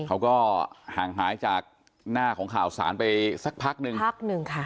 เขาก็ห่างหายจากหน้าของข่าวสารไปสักพักหนึ่งพักหนึ่งค่ะ